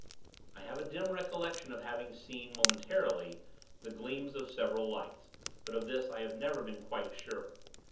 I have a dim recollection of having seen, momentarily, the gleams of several lights; but, of this, I have never been quite sure.